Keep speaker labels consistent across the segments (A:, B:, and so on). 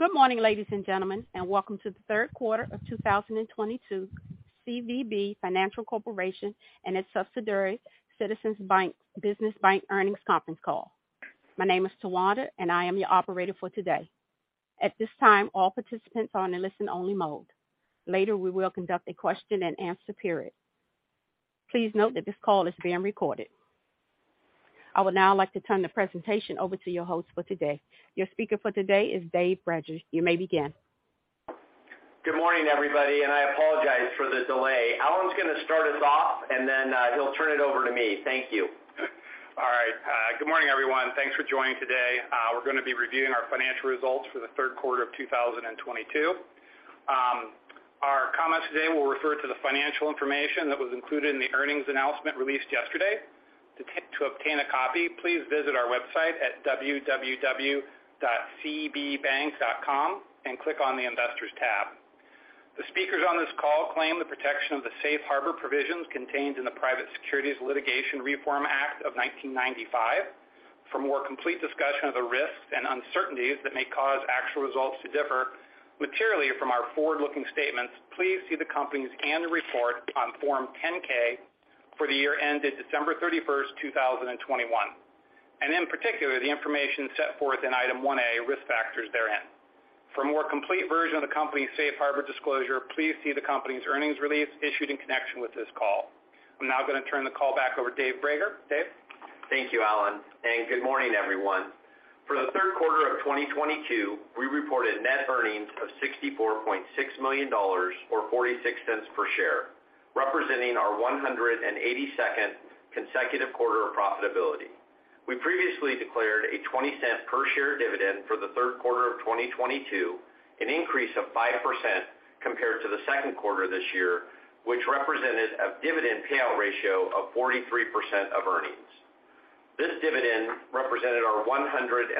A: Good morning, ladies and gentlemen, and welcome to the third quarter of 2022 CVB Financial Corporation and its subsidiary Citizens Business Bank earnings conference call. My name is Tawanda, and I am your operator for today. At this time, all participants are in listen-only mode. Later, we will conduct a question and answer period. Please note that this call is being recorded. I would now like to turn the presentation over to your host for today. Your speaker for today is David Brager. You may begin.
B: Good morning, everybody, and I apologize for the delay. Allen is going to start us off, and then he'll turn it over to me. Thank you.
C: All right. Good morning, everyone. Thanks for joining today. We're going to be reviewing our financial results for the third quarter of 2022. Our comments today will refer to the financial information that was included in the earnings announcement released yesterday. To obtain a copy, please visit our website at www.cbbank.com and click on the Investors tab. The speakers on this call claim the protection of the safe harbor provisions contained in the Private Securities Litigation Reform Act of 1995. For more complete discussion of the risks and uncertainties that may cause actual results to differ materially from our forward-looking statements, please see the company's annual report on Form 10-K for the year ended December 31st, 2021. In particular, the information set forth in Item 1A, Risk Factors therein. For a more complete version of the company's safe harbor disclosure, please see the company's earnings release issued in connection with this call. I'm now going to turn the call back over to Dave Brager. Dave.
B: Thank you, Allen, and good morning, everyone. For the third quarter of 2022, we reported net earnings of $64.6 million or $0.46 per share, representing our 182nd consecutive quarter of profitability. We previously declared a $0.20 per share dividend for the third quarter of 2022, an increase of 5% compared to the second quarter this year, which represented a dividend payout ratio of 43% of earnings. This dividend represented our 132nd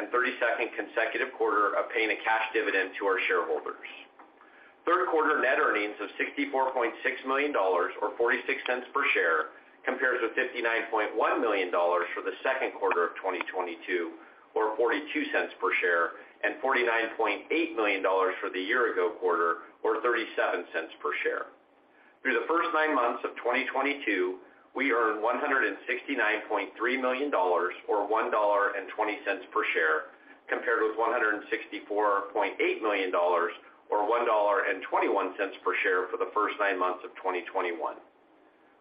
B: consecutive quarter of paying a cash dividend to our shareholders. Third quarter net earnings of $64.6 million or $0.46 per share compares with $59.1 million for the second quarter of 2022 or $0.42 per share, and $49.8 million for the year ago quarter or $0.37 per share. Through the first nine months of 2022, we earned $169.3 million or $1.20 per share, compared with $164.8 million or $1.21 per share for the first nine months of 2021.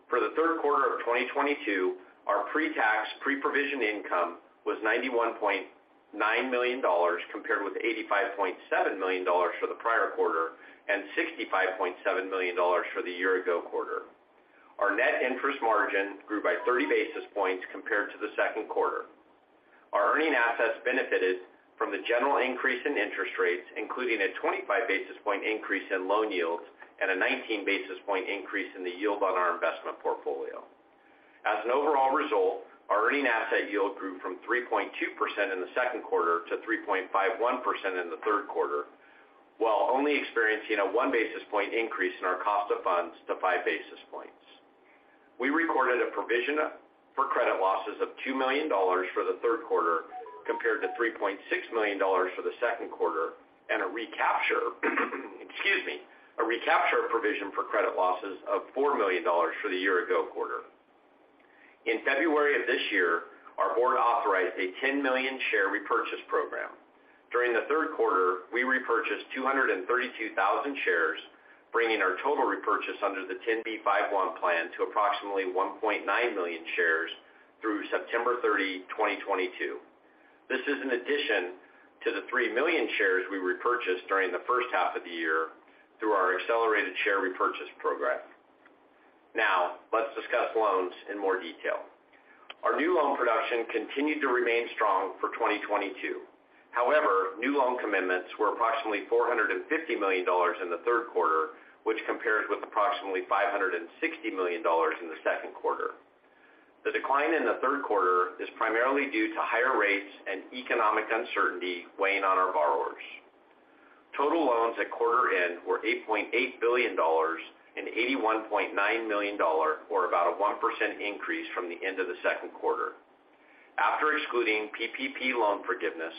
B: For the third quarter of 2022, our pre-tax, pre-provision income was $91.9 million, compared with $85.7 million for the prior quarter and $65.7 million for the year ago quarter. Our net interest margin grew by 30 basis points compared to the second quarter. Our earning assets benefited from the general increase in interest rates, including a 25 basis point increase in loan yields and a 19 basis point increase in the yield on our investment portfolio. As an overall result, our earning asset yield grew from 3.2% in the second quarter to 3.51% in the third quarter, while only experiencing a 1 basis point increase in our cost of funds to 5 basis points. We recorded a provision for credit losses of $2 million for the third quarter, compared to $3.6 million for the second quarter, and a recapture of provision for credit losses of $4 million for the year ago quarter. In February of this year, our board authorized a 10 million share repurchase program. During the third quarter, we repurchased 232,000 shares, bringing our total repurchase under the 10b5-1 plan to approximately 1.9 million shares through September 30, 2022. This is an addition to the 3 million shares we repurchased during the first half of the year through our accelerated share repurchase program. Now, let's discuss loans in more detail. Our new loan production continued to remain strong for 2022. However, new loan commitments were approximately $450 million in the third quarter, which compares with approximately $560 million in the second quarter. The decline in the third quarter is primarily due to higher rates and economic uncertainty weighing on our borrowers. Total loans at quarter end were $8.8 billion, an $81.9 million-dollar or about a 1% increase from the end of the second quarter. After excluding PPP loan forgiveness,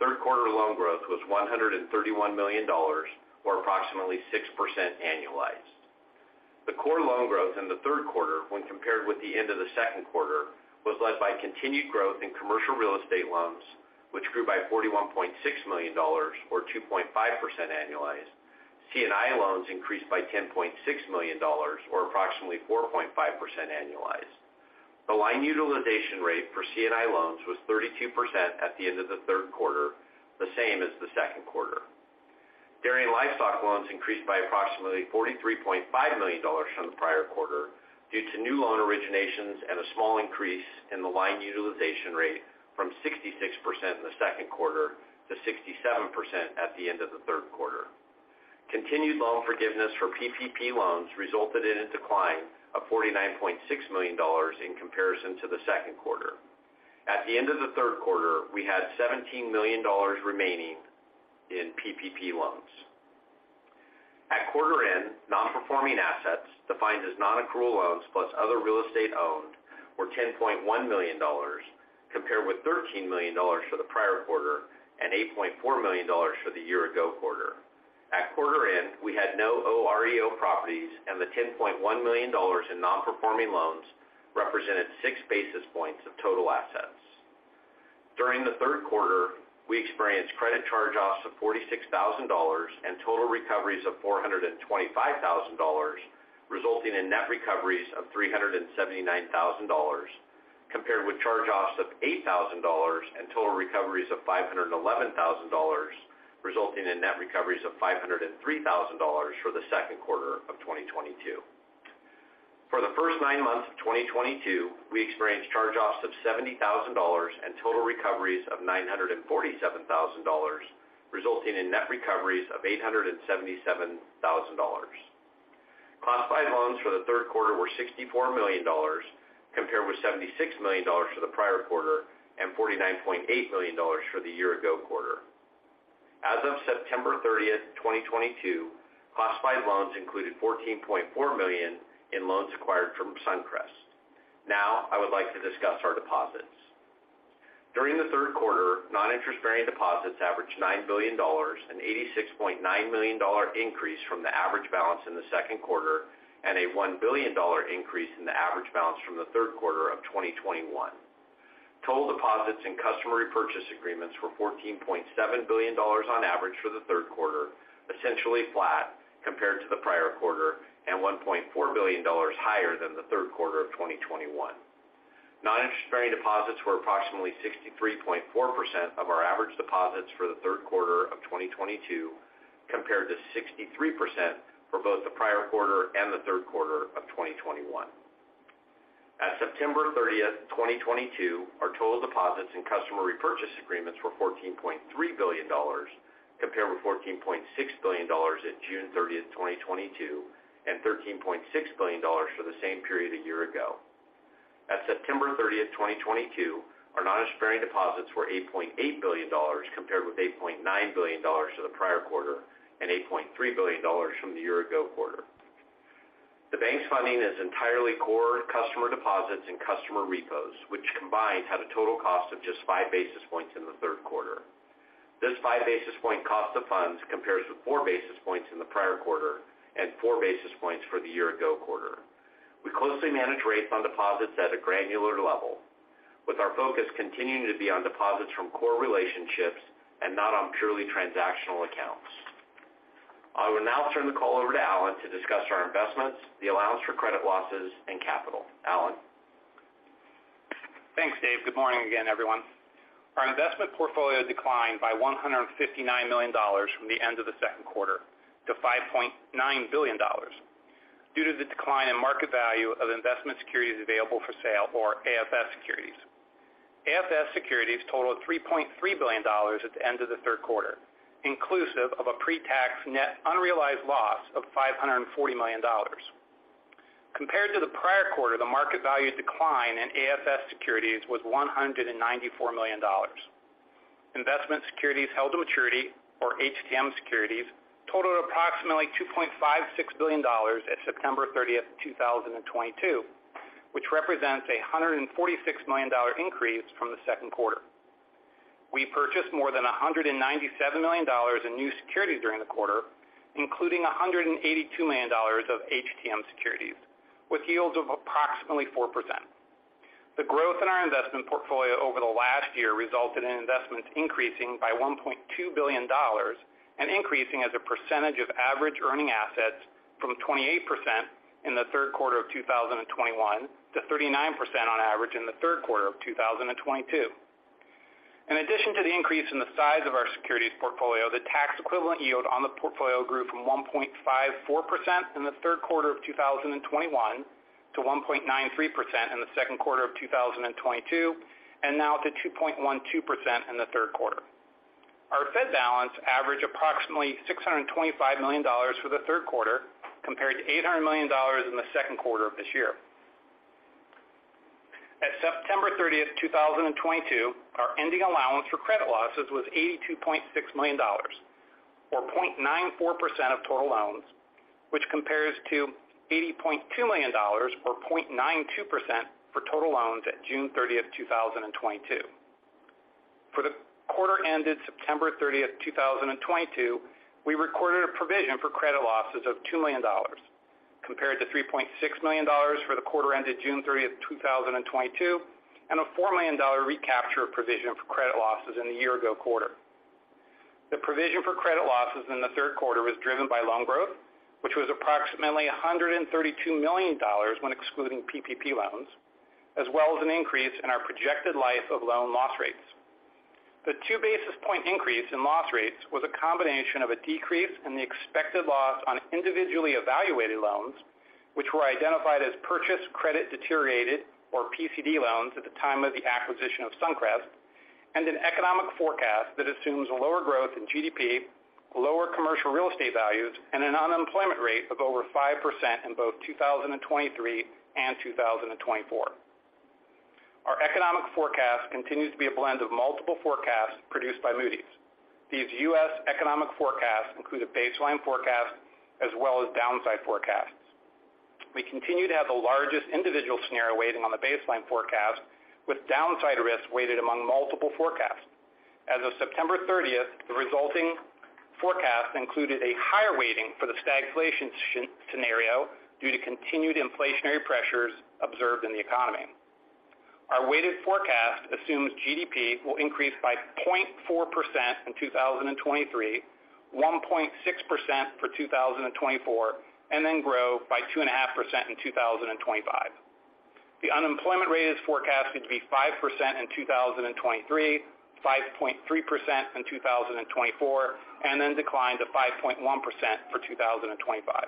B: third quarter loan growth was $131 million or approximately 6% annualized. The core loan growth in the third quarter when compared with the end of the second quarter was led by continued growth in commercial real estate loans, which grew by $41.6 million or 2.5% annualized. C&I loans increased by $10.6 million or approximately 4.5% annualized. The line utilization rate for C&I loans was 32% at the end of the third quarter, the same as the second quarter. Dairy and livestock loans increased by approximately $43.5 million from the prior quarter due to new loan originations and a small increase in the line utilization rate from 66% in the second quarter to 67% at the end of the third quarter. Continued loan forgiveness for PPP loans resulted in a decline of $49.6 million in comparison to the second quarter. At the end of the third quarter, we had $17 million remaining in PPP loans. At quarter end, nonperforming assets defined as nonaccrual loans plus other real estate owned were $10.1 million, compared with $13 million for the prior quarter and $8.4 million for the year ago quarter. At quarter end, we had no OREO properties and the $10.1 million in nonperforming loans represented six basis points of total assets. During the third quarter, we experienced credit charge-offs of $46,000 and total recoveries of $425,000, resulting in net recoveries of $379,000, compared with charge-offs of $8,000 and total recoveries of $511,000, resulting in net recoveries of $503,000 for the second quarter of 2022. For the first nine months of 2022, we experienced charge-offs of $70,000 and total recoveries of $947,000, resulting in net recoveries of $877,000. Classified loans for the third quarter were $64 million compared with $76 million for the prior quarter and $49.8 million for the year ago quarter. As of September 30th, 2022, classified loans included $14.4 million in loans acquired from Suncrest. Now I would like to discuss our deposits. During the third quarter, non-interest-bearing deposits averaged $9 billion, an $86.9 million increase from the average balance in the second quarter and a $1 billion increase in the average balance from the third quarter of 2021. Total deposits and customer repurchase agreements were $14.7 billion on average for the third quarter, essentially flat compared to the prior quarter and $1.4 billion higher than the third quarter of 2021. Non-interest-bearing deposits were approximately 63.4% of our average deposits for the third quarter of 2022, compared to 63% for both the prior quarter and the third quarter of 2021. At September 30th, 2022, our total deposits and customer repurchase agreements were $14.3 billion compared with $14.6 billion at June 30th, 2022, and $13.6 billion for the same period a year ago. At September 30th, 2022, our non-interest-bearing deposits were $8.8 billion compared with $8.9 billion for the prior quarter and $8.3 billion from the year ago quarter. The bank's funding is entirely core customer deposits and customer repos, which combined had a total cost of just five basis points in the third quarter. This 5 basis point cost of funds compares with 4 basis points in the prior quarter and 4 basis points for the year ago quarter. We closely manage rates on deposits at a granular level, with our focus continuing to be on deposits from core relationships and not on purely transactional accounts. I will now turn the call over to Allen to discuss our investments, the allowance for credit losses and capital. Allen?
C: Thanks, Dave. Good morning again, everyone. Our investment portfolio declined by $159 million from the end of the second quarter to $5.9 billion due to the decline in market value of investment securities available for sale or AFS securities. AFS securities totaled $3.3 billion at the end of the third quarter, inclusive of a pre-tax net unrealized loss of $540 million. Compared to the prior quarter, the market value decline in AFS securities was $194 million. Investment securities held to maturity or HTM securities totaled approximately $2.56 billion at September 30th, 2022, which represents a $146 million dollar increase from the second quarter. We purchased more than $197 million in new securities during the quarter, including $182 million of HTM securities with yields of approximately 4%. The growth in our investment portfolio over the last year resulted in investments increasing by $1.2 billion and increasing as a percentage of average earning assets from 28% in the third quarter of 2021 to 39% on average in the third quarter of 2022. In addition to the increase in the size of our securities portfolio, the tax equivalent yield on the portfolio grew from 1.54% in the third quarter of 2021 to 1.93% in the second quarter of 2022, and now to 2.12% in the third quarter. Our Fed balance averaged approximately $625 million for the third quarter compared to $800 million in the second quarter of this year. At September 30th, 2022, our ending allowance for credit losses was $82.6 million or 0.94% of total loans, which compares to $80.2 million or 0.92% for total loans at June 30th, 2022. For the quarter ended September 30th, 2022, we recorded a provision for credit losses of $2 million compared to $3.6 million for the quarter ended June 30th, 2022, and a $4 million recapture of provision for credit losses in the year ago quarter. The provision for credit losses in the third quarter was driven by loan growth, which was approximately $132 million when excluding PPP loans, as well as an increase in our projected life of loan loss rates. The two basis point increase in loss rates was a combination of a decrease in the expected loss on individually evaluated loans which were identified as purchase credit deteriorated or PCD loans at the time of the acquisition of Suncrest and an economic forecast that assumes lower growth in GDP, lower commercial real estate values, and an unemployment rate of over 5% in both 2023 and 2024. Our economic forecast continues to be a blend of multiple forecasts produced by Moody's. These U.S. economic forecasts include a baseline forecast as well as downside forecasts. We continue to have the largest individual scenario weighting on the baseline forecast, with downside risk weighted among multiple forecasts. As of September 30th, 2022 the resulting forecast included a higher weighting for the stagflation scenario due to continued inflationary pressures observed in the economy. Our weighted forecast assumes GDP will increase by 0.4% in 2023, 1.6% for 2024, and then grow by 2.5% in 2025. The unemployment rate is forecasted to be 5% in 2023, 5.3% in 2024, and then decline to 5.1% for 2025.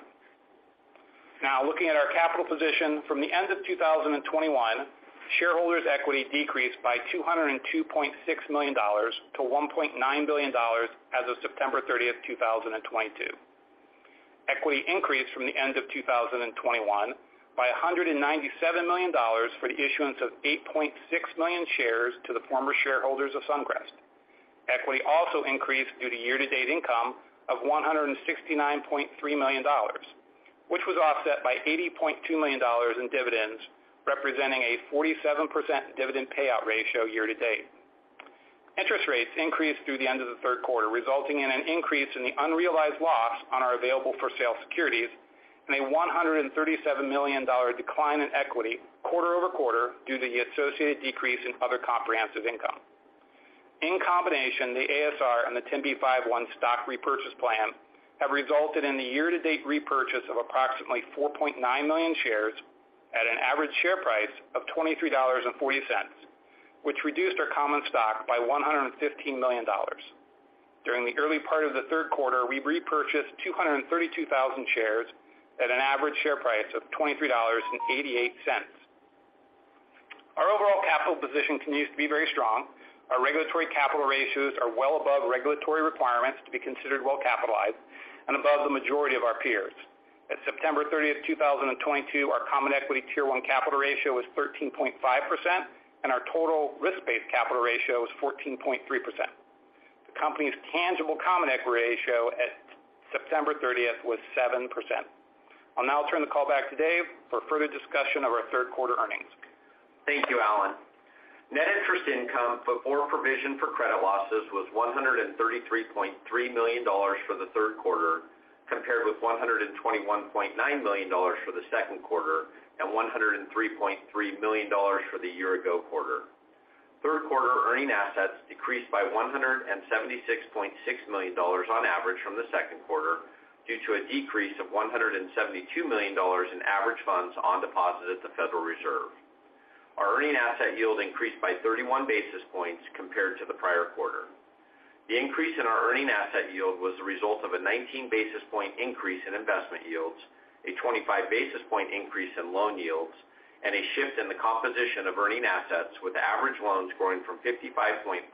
C: Now looking at our capital position. From the end of 2021, shareholders equity decreased by $202.6 million to $1.9 billion as of September 30th, 2022. Equity increased from the end of 2021 by $197 million for the issuance of 8.6 million shares to the former shareholders of Suncrest. Equity also increased due to year-to-date income of $169.3 million, which was offset by $80.2 million in dividends, representing a 47% dividend payout ratio year to date. Interest rates increased through the end of the third quarter, resulting in an increase in the unrealized loss on our available-for-sale securities and a $137 million decline in equity quarter-over-quarter due to the associated decrease in other comprehensive income. In combination, the ASR and the 10b5-1 stock repurchase plan have resulted in the year-to-date repurchase of approximately 4.9 million shares at an average share price of $23.40, which reduced our common stock by $115 million. During the early part of the third quarter, we repurchased 232,000 shares at an average share price of $23.88. Our overall capital position continues to be very strong. Our regulatory capital ratios are well above regulatory requirements to be considered well capitalized and above the majority of our peers. At September 30th, 2022, our Common Equity Tier 1 capital ratio was 13.5%, and our Total Risk-Based Capital Ratio was 14.3%. The company's Tangible Common Equity ratio at September 30th, 2022 was 7%. I'll now turn the call back to Dave for further discussion of our third quarter earnings.
B: Thank you, Allen. Net interest income before provision for credit losses was $133.3 million for the third quarter, compared with $121.9 million for the second quarter and $103.3 million for the year ago quarter. Third quarter earning assets decreased by $176.6 million on average from the second quarter, due to a decrease of $172 million in average funds on deposit at the Federal Reserve. Our earning asset yield increased by 31 basis points compared to the prior quarter. The increase in our earning asset yield was the result of a 19 basis point increase in investment yields, a 25 basis point increase in loan yields, and a shift in the composition of earning assets, with average loans growing from 55.5%-56.6%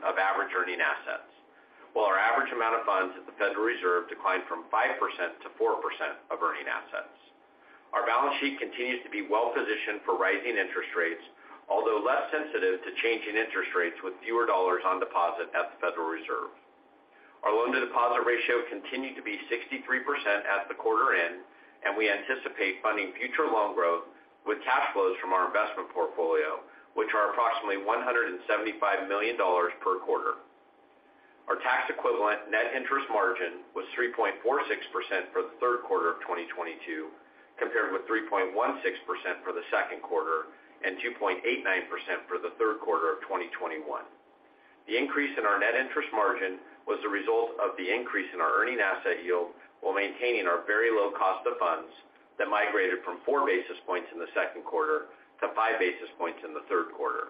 B: of average earning assets. While our average amount of funds at the Federal Reserve declined from 5%-4% of earning assets. Our balance sheet continues to be well positioned for rising interest rates, although less sensitive to changing interest rates with fewer dollars on deposit at the Federal Reserve. Our loan to deposit ratio continued to be 63% at the quarter end, and we anticipate funding future loan growth with cash flows from our investment portfolio, which are approximately $175 million per quarter. Our tax equivalent net interest margin was 3.46% for the third quarter of 2022, compared with 3.16% for the second quarter and 2.89% for the third quarter of 2021. The increase in our net interest margin was the result of the increase in our earning asset yield while maintaining our very low cost of funds that migrated from 4 basis points in the second quarter to 5 basis points in the third quarter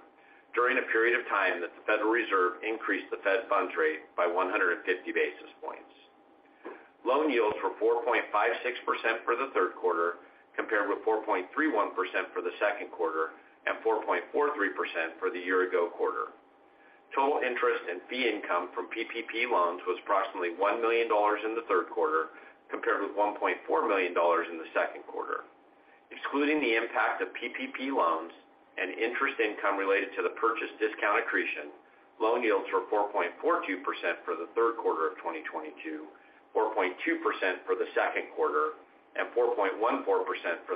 B: during a period of time that the Federal Reserve increased the Fed funds rate by 150 basis points. Loan yields were 4.56% for the third quarter compared with 4.31% for the second quarter and 4.43% for the year ago quarter. Total interest and fee income from PPP loans was approximately $1 million in the third quarter compared with $1.4 million in the second quarter. Excluding the impact of PPP loans and interest income related to the purchase discount accretion, loan yields were 4.42% for the third quarter of 2022, 4.2% for the second quarter and 4.14% for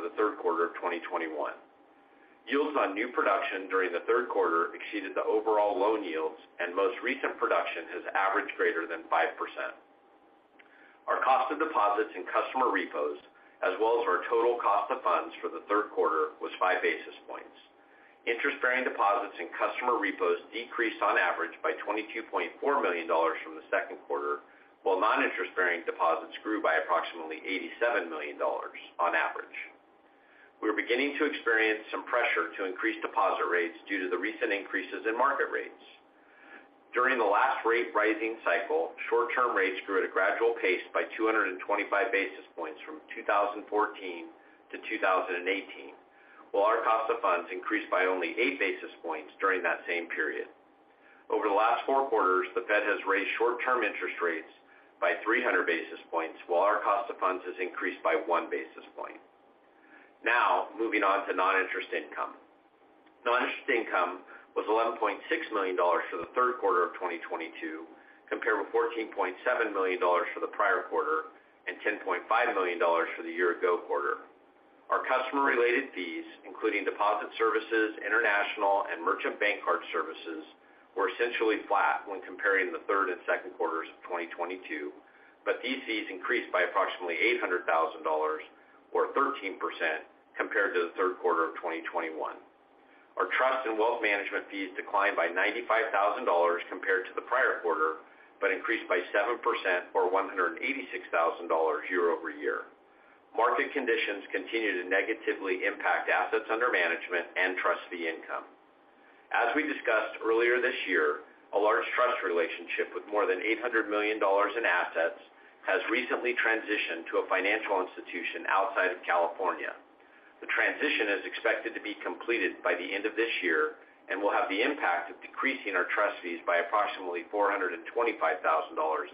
B: the third quarter of 2021. Yields on new production during the third quarter exceeded the overall loan yields, and most recent production has averaged greater than 5%. Our cost of deposits and customer repos, as well as our total cost of funds for the third quarter, was five basis points. Interest-bearing deposits and customer repos decreased on average by $22.4 million from the second quarter, while non-interest-bearing deposits grew by approximately $87 million on average. We are beginning to experience some pressure to increase deposit rates due to the recent increases in market rates. During the last rate rising cycle, short-term rates grew at a gradual pace by 225 basis points from 2014-2018, while our cost of funds increased by only 8 basis points during that same period. Over the last four quarters, the Fed has raised short-term interest rates by 300 basis points, while our cost of funds has increased by 1 basis point. Now, moving on to non-interest income. Non-interest income was $11.6 million for the third quarter of 2022, compared with $14.7 million for the prior quarter and $10.5 million for the year-ago quarter. Our customer-related fees, including deposit services, international and merchant bank card services, were essentially flat when comparing the third and second quarters of 2022, but these fees increased by approximately $800,000 or 13% compared to the third quarter of 2021. Our trust and wealth management fees declined by $95,000 compared to the prior quarter, but increased by 7% or $186,000 year-over-year. Market conditions continue to negatively impact assets under management and trust fee income. As we discussed earlier this year, a large trust relationship with more than $800 million in assets has recently transitioned to a financial institution outside of California. The transition is expected to be completed by the end of this year and will have the impact of decreasing our trust fees by approximately $425,000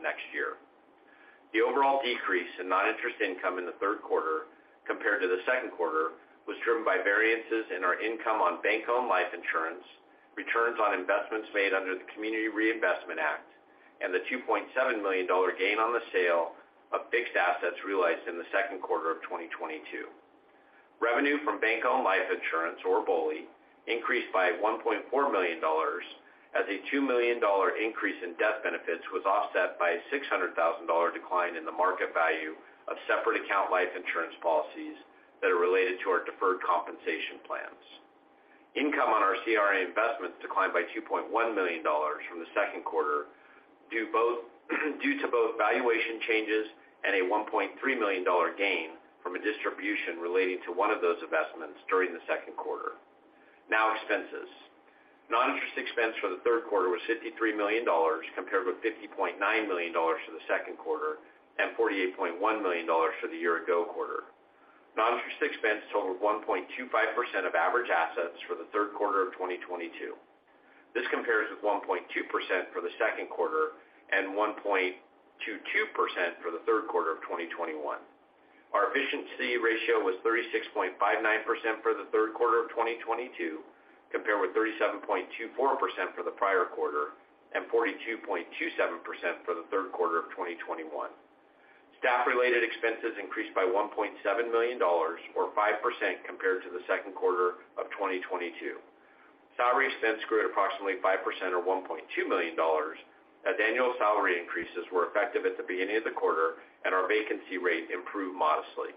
B: next year. The overall decrease in non-interest income in the third quarter compared to the second quarter was driven by variances in our income on bank-owned life insurance, returns on investments made under the Community Reinvestment Act, and the $2.7 million gain on the sale of fixed assets realized in the second quarter of 2022. Revenue from bank-owned life insurance, or BOLI, increased by $1.4 million as a $2 million increase in death benefits was offset by a $600,000 decline in the market value of separate account life insurance policies that are related to our deferred compensation plans. Income on our CRA investments declined by $2.1 million from the second quarter due to both valuation changes and a $1.3 million gain from a distribution relating to one of those investments during the second quarter. Now expenses. Non-interest expense for the third quarter was $53 million compared with $50.9 million for the second quarter and $48.1 million for the year ago quarter. Non-interest expense totaled 1.25% of average assets for the third quarter of 2022. This compares with 1.2% for the second quarter and 1.22% for the third quarter of 2021. Our efficiency ratio was 36.59% for the third quarter of 2022, compared with 37.24% for the prior quarter and 42.27% for the third quarter of 2021. Staff-related expenses increased by $1.7 million or 5% compared to the second quarter of 2022. Salary expense grew at approximately 5% or $1.2 million as annual salary increases were effective at the beginning of the quarter and our vacancy rate improved modestly.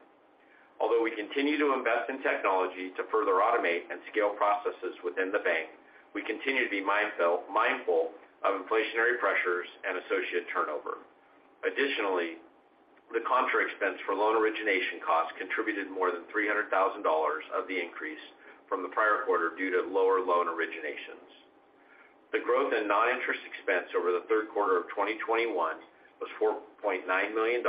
B: Although we continue to invest in technology to further automate and scale processes within the bank, we continue to be mindful of inflationary pressures and associate turnover. Additionally, the contra expense for loan origination costs contributed more than $300,000 of the increase from the prior quarter due to lower loan originations. The growth in non-interest expense over the third quarter of 2021 was $4.9 million,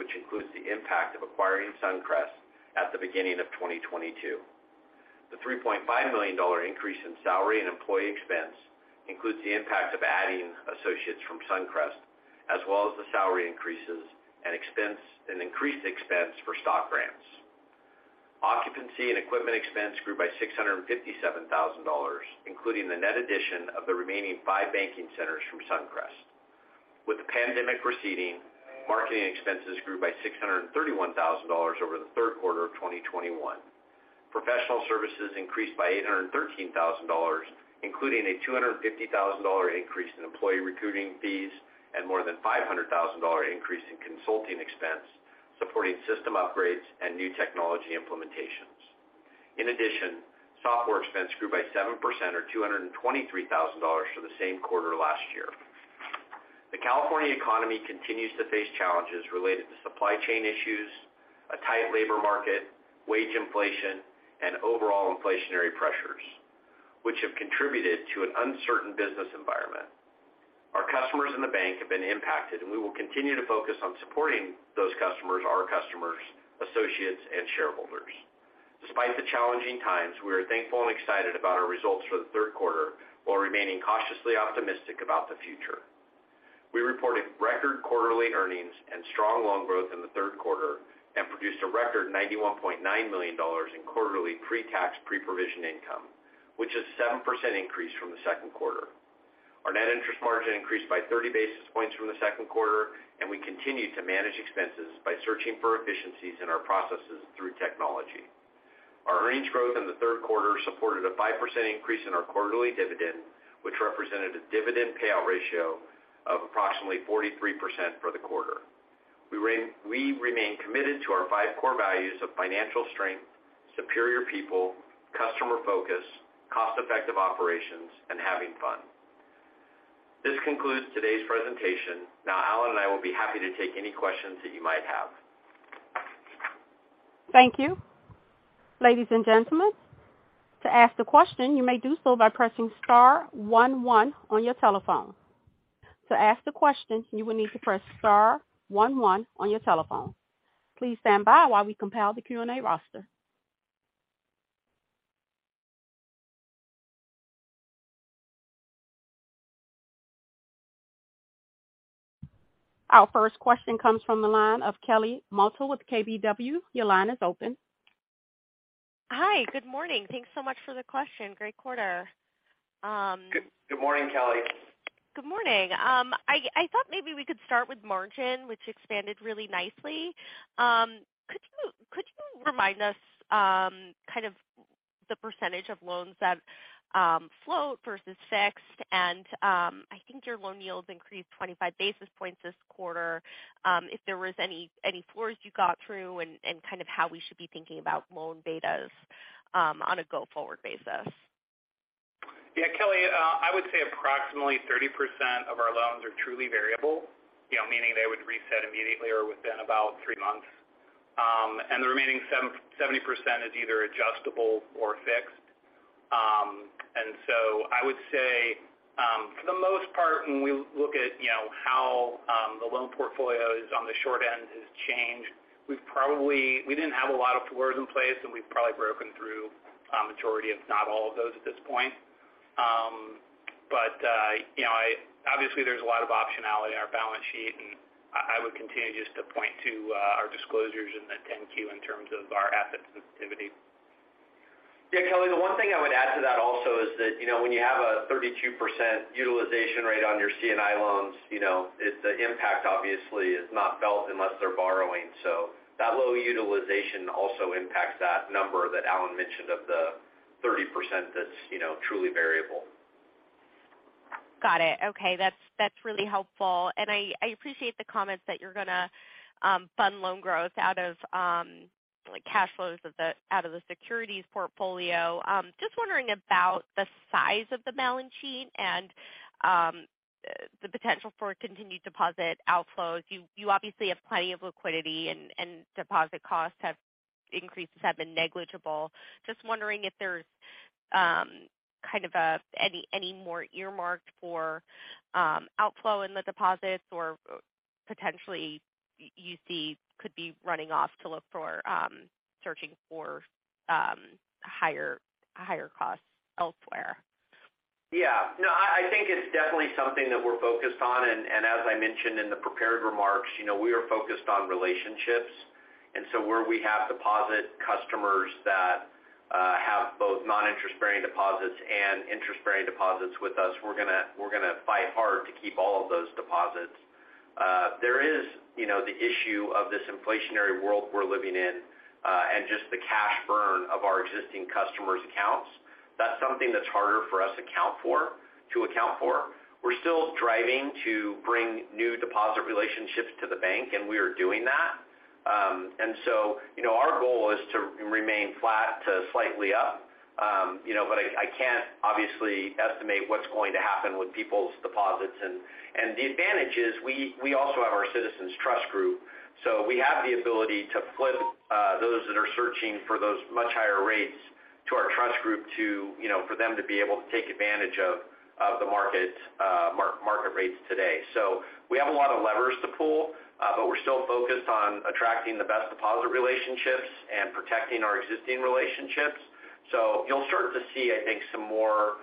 B: which includes the impact of acquiring Suncrest at the beginning of 2022. The $3.5 million increase in salary and employee expense includes the impact of adding associates from Suncrest, as well as the salary increases and increased expense for stock grants. Occupancy and equipment expense grew by $657,000, including the net addition of the remaining five banking centers from Suncrest. With the pandemic receding, marketing expenses grew by $631,000 over the third quarter of 2021. Professional services increased by $813,000, including a $250,000 increase in employee recruiting fees and more than $500,000 increase in consulting expense, supporting system upgrades and new technology implementations. In addition, software expense grew by 7% or $223,000 for the same quarter last year. The California economy continues to face challenges related to supply chain issues, a tight labor market, wage inflation, and overall inflationary pressures, which have contributed to an uncertain business environment. Our customers in the bank have been impacted, and we will continue to focus on supporting those customers, our customers, associates, and shareholders. Despite the challenging times, we are thankful and excited about our results for the third quarter, while remaining cautiously optimistic about the future. We reported record quarterly earnings and strong loan growth in the third quarter and produced a record $91.9 million in quarterly pre-tax, pre-provision income, which is 7% increase from the second quarter. Our net interest margin increased by 30 basis points from the second quarter, and we continue to manage expenses by searching for efficiencies in our processes through technology. Our earnings growth in the third quarter supported a 5% increase in our quarterly dividend, which represented a dividend payout ratio of approximately 43% for the quarter. We remain committed to our five core values of financial strength, superior people, customer focus, cost-effective operations, and having fun. This concludes today's presentation. Now, Allen and I will be happy to take any questions that you might have.
A: Thank you. Ladies and gentlemen, to ask the question, you may do so by pressing star one one on your telephone. To ask the question, you will need to press star one one on your telephone. Please stand by while we compile the Q&A roster. Our first question comes from the line of Kelly Motta with KBW. Your line is open.
D: Hi. Good morning. Thanks so much for the question. Great quarter.
B: Good morning, Kelly.
D: Good morning. I thought maybe we could start with margin, which expanded really nicely. Could you remind us kind of the percentage of loans that float versus fixed? I think your loan yields increased 25 basis points this quarter. If there was any floors you got through and kind of how we should be thinking about loan betas on a go-forward basis.
C: Yeah, Kelly, I would say approximately 30% of our loans are truly variable, you know, meaning they would reset immediately or within about three months. The remaining 70% is either adjustable or fixed. I would say, for the most part, when we look at, you know, how the loan portfolio is on the short end has changed, we didn't have a lot of floors in place, and we've probably broken through a majority of, if not all of those at this point. You know, obviously, there's a lot of optionality in our balance sheet, and I would continue just to point to our disclosures in the 10-Q in terms of our asset sensitivity.
B: Yeah, Kelly, the one thing I would add to that also is that, you know, when you have a 32% utilization rate on your C&I loans, you know, it's the impact obviously is not felt unless they're borrowing. That low utilization also impacts that number that Allen mentioned of the 30% that's, you know, truly variable.
D: Got it. Okay. That's really helpful. I appreciate the comments that you're gonna fund loan growth out of cash flows out of the securities portfolio. Just wondering about the size of the balance sheet and the potential for continued deposit outflows. You obviously have plenty of liquidity and deposit cost increases have been negligible. Just wondering if there's any more earmarked for outflow in the deposits or potentially you see could be running off to look for higher costs elsewhere.
B: Yeah. No, I think it's definitely something that we're focused on. As I mentioned in the prepared remarks, you know, we are focused on relationships. Where we have deposit customers that have both non-interest bearing deposits and interest bearing deposits with us, we're gonna fight hard to keep all of those deposits. There is, you know, the issue of this inflationary world we're living in and just the cash burn of our existing customers' accounts. That's something that's harder for us to account for. We're still striving to bring new deposit relationships to the bank, and we are doing that. You know, our goal is to remain flat to slightly up. You know, but I can't obviously estimate what's going to happen with people's deposits. The advantage is we also have our CitizensTrust group. We have the ability to flip those that are searching for those much higher rates to our trust group to, you know, for them to be able to take advantage of the market's market rates today. We have a lot of levers to pull, but we're still focused on attracting the best deposit relationships and protecting our existing relationships. You'll start to see, I think, some more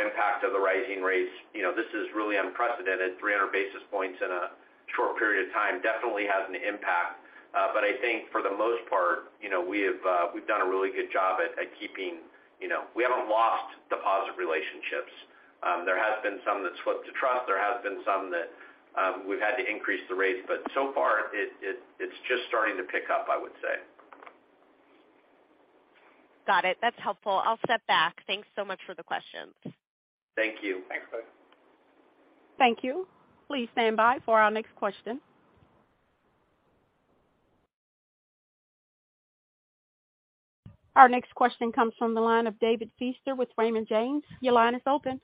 B: impact of the rising rates. You know, this is really unprecedented. 300 basis points in a short period of time definitely has an impact. But I think for the most part, you know, we have we've done a really good job at keeping, you know. We haven't lost deposit relationships. There has been some that swapped to trust. There has been some that we've had to increase the rates, but so far, it's just starting to pick up, I would say.
D: Got it. That's helpful. I'll step back. Thanks so much for the questions.
C: Thank you.
B: Thanks, Kelly.
A: Thank you. Please stand by for our next question. Our next question comes from the line of David Feaster with Raymond James. Your line is open.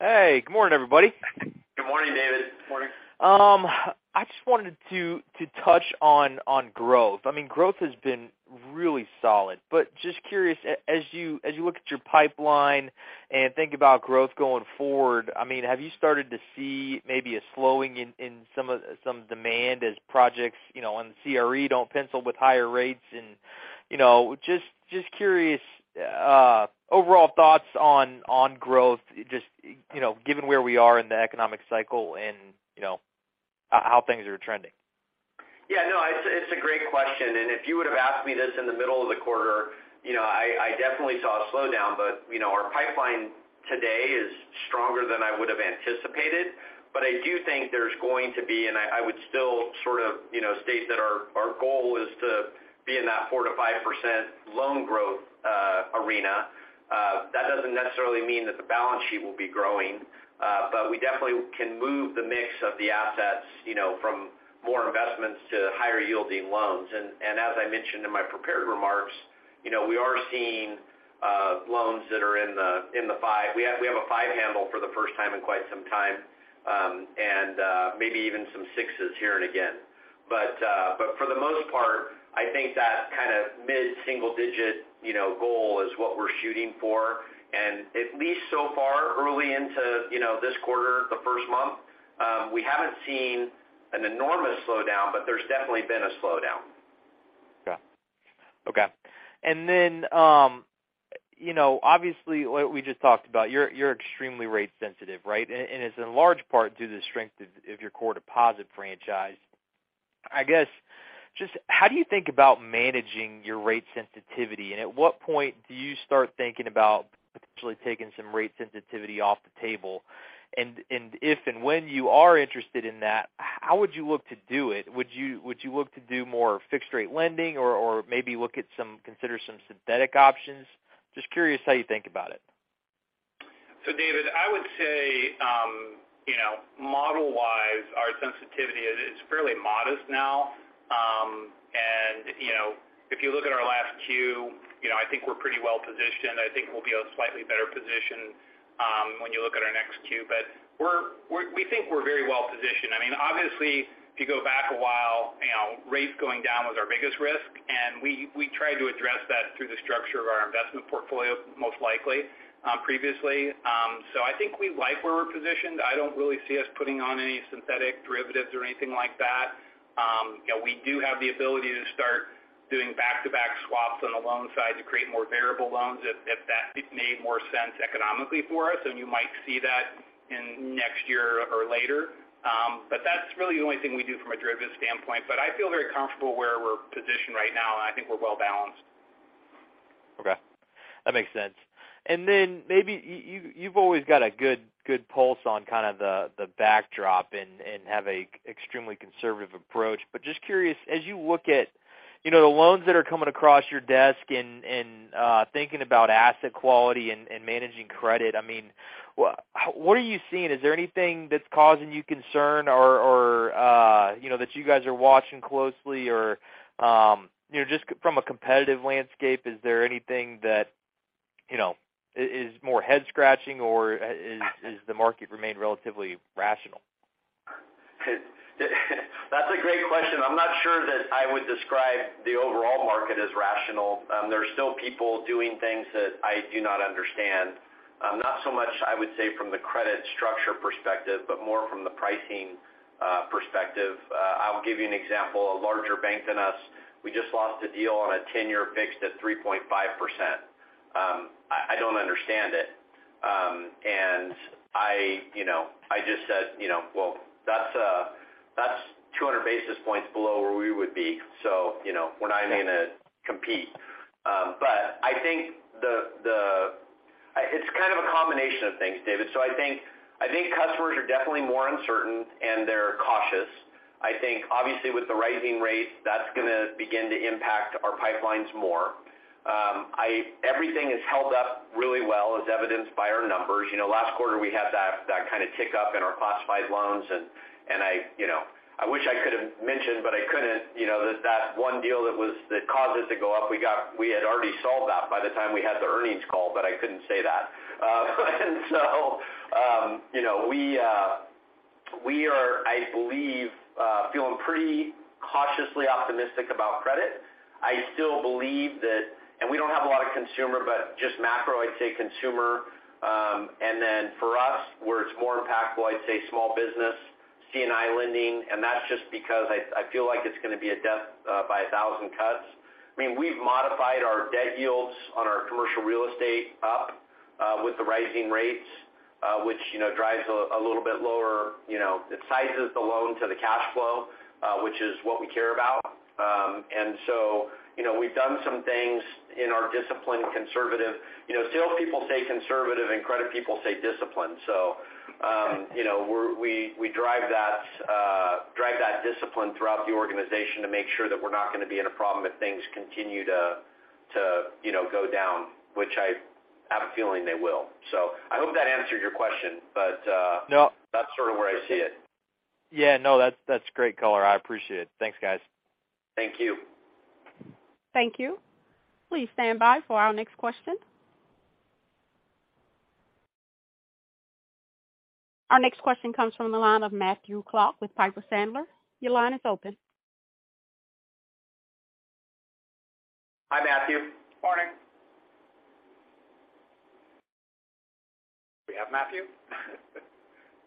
E: Hey, good morning, everybody.
B: Good morning, David. Morning.
E: I just wanted to touch on growth. I mean, growth has been really solid, but just curious, as you look at your pipeline and think about growth going forward, I mean, have you started to see maybe a slowing in some demand as projects, you know, on CRE don't pencil with higher rates? You know, just curious, overall thoughts on growth just, you know, given where we are in the economic cycle and you know, how things are trending.
B: Yeah, no, it's a great question. If you would have asked me this in the middle of the quarter, you know, I definitely saw a slowdown. You know, our pipeline today is stronger than I would have anticipated. I do think there's going to be, and I would still sort of, you know, state that our goal is to be in that 4%-5% loan growth arena. That doesn't necessarily mean that the balance sheet will be growing. We definitely can move the mix of the assets, you know, from more investments to higher yielding loans. As I mentioned in my prepared remarks, you know, we are seeing loans that are in the five. We have a 5 handle for the first time in quite some time, and maybe even into 6s here and again. For the most part, I think that kind of mid-single digit, you know, goal is what we're shooting for. At least so far early into, you know, this quarter, the first month, we haven't seen an enormous slowdown, but there's definitely been a slowdown.
E: Okay. You know, obviously, what we just talked about, you're extremely rate sensitive, right? It's in large part due to the strength of your core deposit franchise. I guess, just how do you think about managing your rate sensitivity? At what point do you start thinking about potentially taking some rate sensitivity off the table? If and when you are interested in that, how would you look to do it? Would you look to do more fixed-rate lending or maybe look at some synthetic options? Just curious how you think about it.
C: David, I would say, you know, model-wise, our sensitivity is fairly modest now. You know, if you look at our last Q, you know, I think we're pretty well-positioned. I think we'll be in a slightly better position when you look at our next Q. We think we're very well-positioned. I mean, obviously, if you go back a while, you know, rates going down was our biggest risk, and we tried to address that through the structure of our investment portfolio, most likely previously. I think we like where we're positioned. I don't really see us putting on any synthetic derivatives or anything like that. You know, we do have the ability to start doing back-to-back swaps on the loan side to create more variable loans if that made more sense economically for us. You might see that in next year or later. That's really the only thing we do from a derivative standpoint. I feel very comfortable where we're positioned right now, and I think we're well balanced.
E: Okay. That makes sense. Then maybe you've always got a good pulse on kind of the backdrop and have an extremely conservative approach. Just curious, as you look at, you know, the loans that are coming across your desk and thinking about asset quality and managing credit, I mean, what are you seeing? Is there anything that's causing you concern or you know, that you guys are watching closely or you know, just from a competitive landscape, is there anything that you know, is more head-scratching or is the market remain relatively rational?
B: That's a great question. I'm not sure that I would describe the overall market as rational. There's still people doing things that I do not understand. Not so much I would say from the credit structure perspective, but more from the pricing perspective. I'll give you an example. A larger bank than us, we just lost a deal on a 10-year fixed at 3.5%. I don't understand it. I you know I just said, you know, well, that's two hundred basis points below where we would be. You know, we're not going to compete. But I think it's kind of a combination of things, David. I think customers are definitely more uncertain, and they're cautious. I think obviously with the rising rates, that's going to begin to impact our pipelines more. Everything has held up really well as evidenced by our numbers. You know, last quarter, we had that kind of tick up in our classified loans. You know, I wish I could have mentioned, but I couldn't, you know, that one deal that caused it to go up. We had already solved that by the time we had the earnings call, but I couldn't say that. You know, we are, I believe, feeling pretty cautiously optimistic about credit. I still believe that, and we don't have a lot of consumer, but just macro, I'd say consumer. For us, where it's more impactful, I'd say small business, C&I lending, and that's just because I feel like it's going to be a death by a thousand cuts. I mean, we've modified our debt yields on our commercial real estate up with the rising rates, which, you know, drives a little bit lower, you know, it sizes the loan to the cash flow, which is what we care about. You know, we've done some things in our discipline, conservative. You know, sales people say conservative and credit people say discipline. You know, we drive that discipline throughout the organization to make sure that we're not going to be in a problem if things continue to, you know, go down, which I have a feeling they will. I hope that answered your question.
E: No.
B: That's sort of where I see it.
E: Yeah, no, that's great color. I appreciate it. Thanks, guys.
B: Thank you.
A: Thank you. Please stand by for our next question. Our next question comes from the line of Matthew Clark with Piper Sandler. Your line is open.
C: Hi, Matthew. Morning. Do we have Matthew?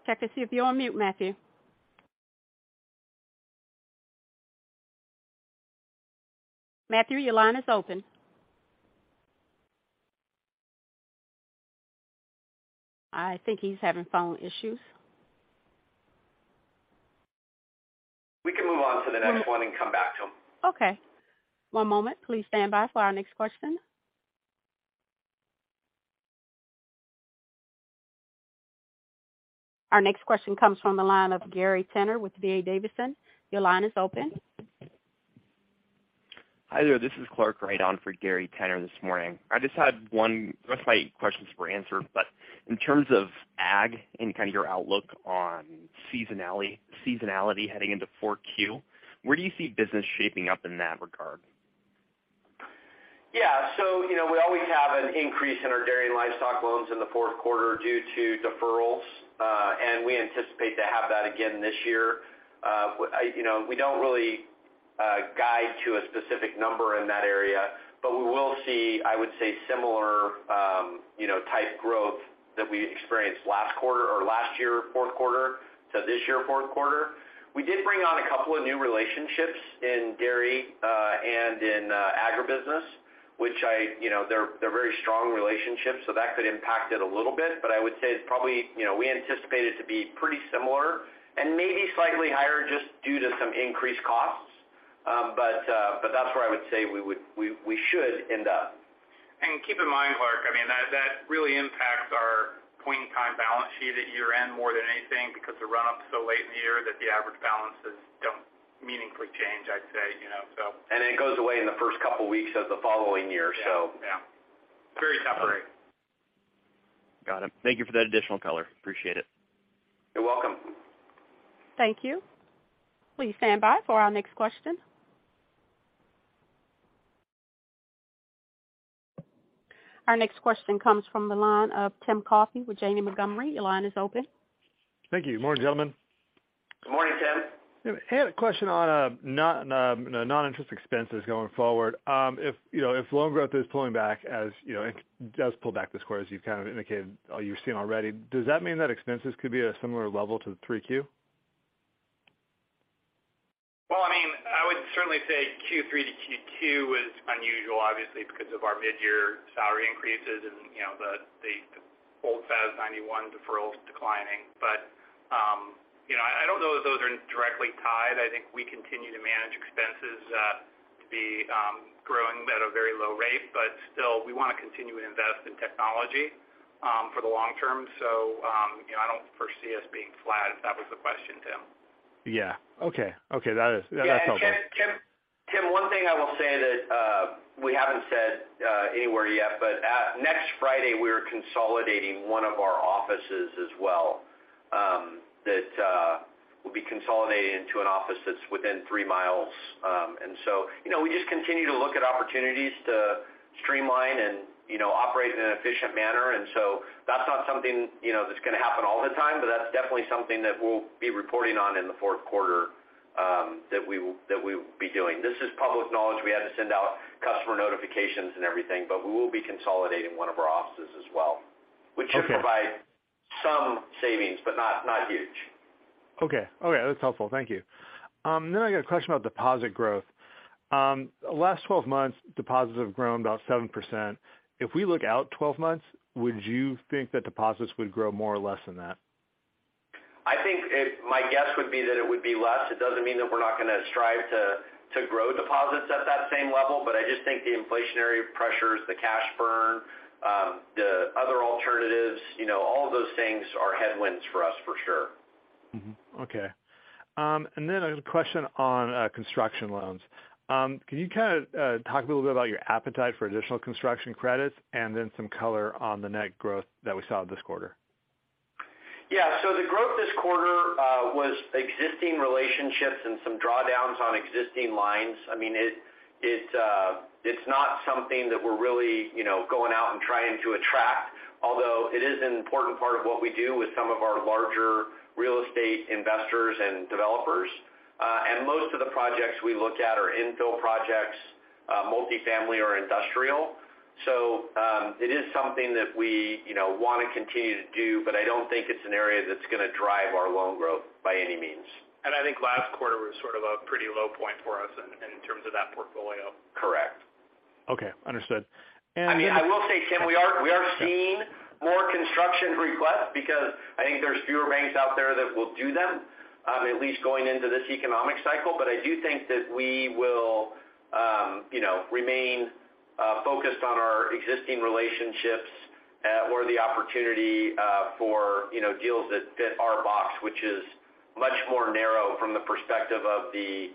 A: Check to see if you're on mute, Matthew. Matthew, your line is open. I think he's having phone issues.
B: We can move on to the next one and come back to him.
A: Okay. One moment. Please stand by for our next question. Our next question comes from the line of Gary Tenner with D.A. Davidson. Your line is open.
F: Hi there. This is Clark Wright on for Gary Tenner this morning. I just had one, most of my questions were answered, but in terms of ag and kind of your outlook on seasonality heading into 4Q, where do you see business shaping up in that regard?
B: Yeah. You know, we always have an increase in our dairy and livestock loans in the fourth quarter due to deferrals, and we anticipate to have that again this year. You know, we don't really guide to a specific number in that area. We will see, I would say similar, you know, type growth that we experienced last quarter or last year, fourth quarter to this year, fourth quarter. We did bring on a couple of new relationships in dairy, and in agribusiness, which you know, they're very strong relationships, so that could impact it a little bit. I would say it's probably, you know, we anticipate it to be pretty similar and maybe slightly higher just due to some increased costs. That's where I would say we should end up.
C: Keep in mind, Clark, I mean, that really impacts our point in time balance sheet at year-end more than anything because the run up is so late in the year that the average balances don't meaningfully change, I'd say, you know, so.
B: It goes away in the first couple of weeks of the following year, so.
C: Yeah. Very temporary.
F: Got it. Thank you for that additional color. Appreciate it.
B: You're welcome.
A: Thank you. Please stand by for our next question. Our next question comes from the line of Tim Coffey with Janney Montgomery. Your line is open.
G: Thank you. Morning, gentlemen.
B: Good morning, Tim.
G: I had a question on non-interest expenses going forward. If you know, if loan growth is pulling back, as you know, it does pull back this quarter, as you kind of indicated or you've seen already, does that mean that expenses could be at a similar level to 3Q?
C: Well, I mean, I would certainly say Q3 to Q2 was unusual, obviously, because of our mid-year salary increases and, you know, the old FAS 91 deferrals declining. You know, I don't know that those are directly tied. I think we continue to manage expenses to be growing at a very low rate. Still, we want to continue to invest in technology for the long term. You know, I don't foresee us being flat if that was the question, Tim.
G: Yeah. Okay. That's helpful.
B: Yeah. Tim, one thing I will say that we haven't said anywhere yet, but next Friday, we are consolidating one of our offices as well, that will be consolidated into an office that's within three miles. You know, we just continue to look at opportunities to streamline and you know, operate in an efficient manner. That's not something you know, that's going to happen all the time, but that's definitely something that we'll be reporting on in the fourth quarter, that we will be doing. This is public knowledge. We had to send out customer notifications and everything, but we will be consolidating one of our offices as well.
G: Okay.
B: Which should provide some savings, but not huge.
G: Okay. That's helpful. Thank you. I got a question about deposit growth. Last 12 months, deposits have grown about 7%. If we look out 12 months, would you think that deposits would grow more or less than that?
B: I think my guess would be that it would be less. It doesn't mean that we're not going to strive to grow deposits at that same level. I just think the inflationary pressures, the cash burn, the other alternatives, you know, all of those things are headwinds for us for sure.
G: Mm-hmm. Okay. I have a question on construction loans. Can you kind of talk a little bit about your appetite for additional construction credits and then some color on the net growth that we saw this quarter?
B: Yeah. The growth this quarter was existing relationships and some drawdowns on existing lines. I mean, it's not something that we're really, you know, going out and trying to attract, although it is an important part of what we do with some of our larger real estate investors and developers. Most of the projects we look at are infill projects, multifamily or industrial. It is something that we, you know, want to continue to do, but I don't think it's an area that's going to drive our loan growth by any means.
C: I think last quarter was sort of a pretty low point for us in terms of that portfolio.
B: Correct.
G: Okay. Understood.
B: I mean, I will say, Tim, we are seeing more construction requests because I think there's fewer banks out there that will do them, at least going into this economic cycle. I do think that we will, you know, remain focused on our existing relationships, or the opportunity, for you know, deals that fit our box, which is much more narrow from the perspective of the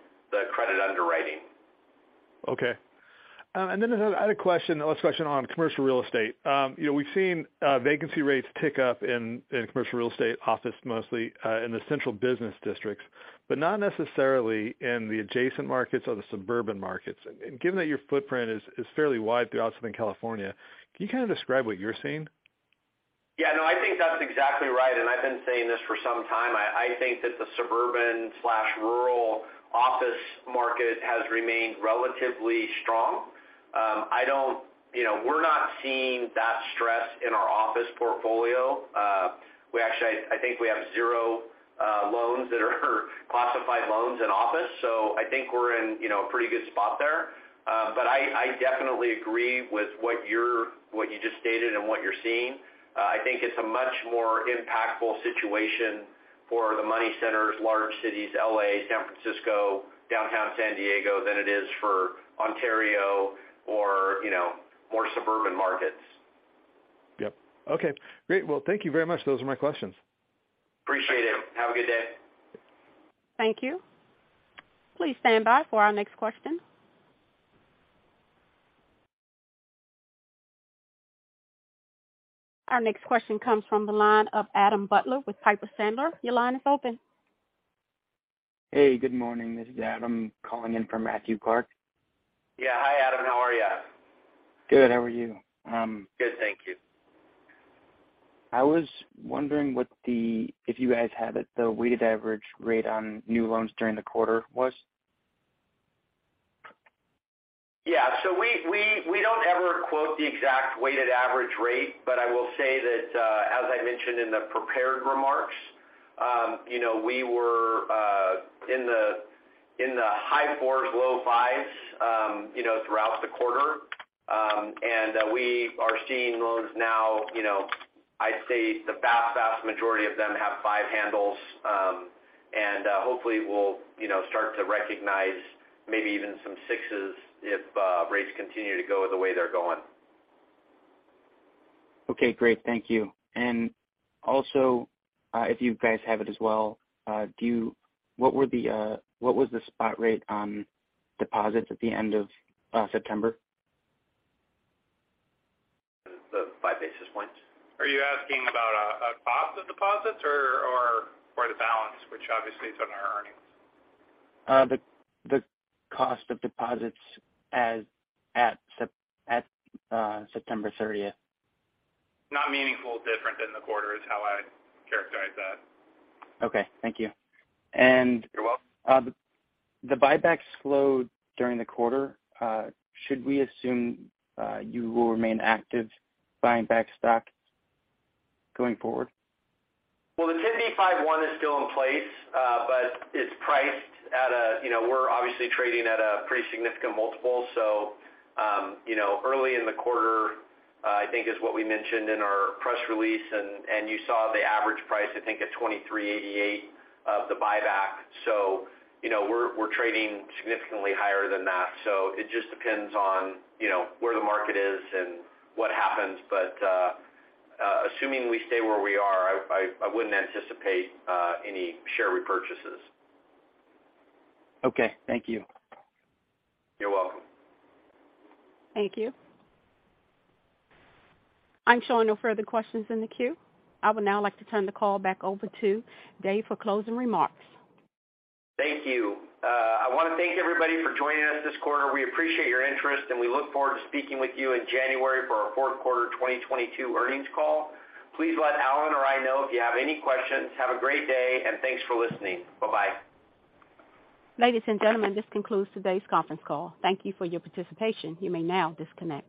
B: credit underwriting.
G: Okay. I had a question, last question on commercial real estate. You know, we've seen vacancy rates tick up in commercial real estate office mostly in the central business districts, but not necessarily in the adjacent markets or the suburban markets. Given that your footprint is fairly wide throughout Southern California, can you kind of describe what you're seeing?
B: Yeah, no, I think that's exactly right. I've been saying this for some time. I think that the suburban/rural office market has remained relatively strong. I don't, you know, we're not seeing that stress in our office portfolio. We actually, I think we have 0 loans that are classified loans in office. So I think we're in, you know, a pretty good spot there. I definitely agree with what you just stated and what you're seeing. I think it's a much more impactful situation for the money centers, large cities, L.A., San Francisco, downtown San Diego than it is for Ontario or, you know, more suburban markets.
G: Yep. Okay, great. Well, thank you very much. Those are my questions.
B: Appreciate it. Have a good day.
A: Thank you. Please stand by for our next question. Our next question comes from the line of Adam Butler with Piper Sandler. Your line is open.
H: Hey, good morning. This is Adam calling in for Matthew Clark.
B: Yeah. Hi, Adam. How are you?
H: Good. How are you?
B: Good. Thank you.
H: I was wondering what the, if you guys have it, the weighted average rate on new loans during the quarter was?
B: Yeah. We don't ever quote the exact weighted average rate, but I will say that, as I mentioned in the prepared remarks, you know, we were in the high fours, low fives, you know, throughout the quarter. We are seeing loans now, you know, I'd say the vast majority of them have five handles. Hopefully we'll, you know, start to recognize maybe even some sixes if rates continue to go the way they're going.
H: Okay, great. Thank you. If you guys have it as well, what was the spot rate on deposits at the end of September?
B: The 5 basis points. Are you asking about cost of deposits or the balance, which obviously is on our earnings?
H: The cost of deposits at September 30th.
B: Not meaningfully different than the quarter is how I'd characterize that.
H: Okay, thank you.
B: You're welcome.
H: The buyback slowed during the quarter. Should we assume you will remain active buying back stock going forward?
B: Well, the 10b5-1 is still in place, but it's priced at a, you know, we're obviously trading at a pretty significant multiple. You know, early in the quarter, I think is what we mentioned in our press release. You saw the average price, I think, at $23.88 of the buyback. You know, we're trading significantly higher than that. It just depends on, you know, where the market is and what happens. Assuming we stay where we are, I wouldn't anticipate any share repurchases.
H: Okay, thank you.
B: You're welcome.
A: Thank you. I'm showing no further questions in the queue. I would now like to turn the call back over to Dave for closing remarks.
B: Thank you. I wanna thank everybody for joining us this quarter. We appreciate your interest, and we look forward to speaking with you in January for our fourth quarter 2022 earnings call. Please let Allen or I know if you have any questions. Have a great day, and thanks for listening. Bye-bye.
A: Ladies and gentlemen, this concludes today's conference call. Thank you for your participation. You may now disconnect.